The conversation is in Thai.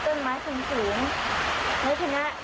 ต้นไม้ฟืนฝุน